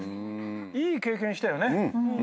いい経験したよね。